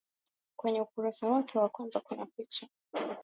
kwenye ukurasa wake wa kwanza kuna picha